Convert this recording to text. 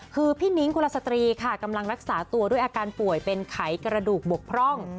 คือพี่นิ้งกุลสตรีค่ะกำลังรักษาตัวด้วยอาการป่วยเป็นไขกระดูกบกพร่อง